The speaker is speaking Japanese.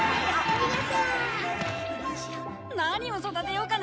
何を育てようかな？